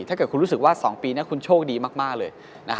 ถ้าเกิดคุณรู้สึกว่า๒ปีนี้คุณโชคดีมากเลย